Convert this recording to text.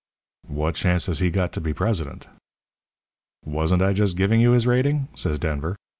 "'What chance has he got to be president?' "'Wasn't I just giving you his rating?' says Denver.